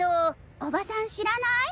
おばさん知らない？